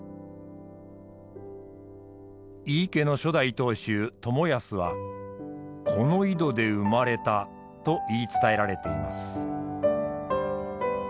井伊家の初代当主共保はこの井戸で生まれたと言い伝えられています。